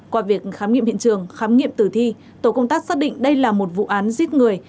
qua việc khám nghiệm hiện trường khám nghiệm tử thi tổ công tác xác định đây là một vụ án giết người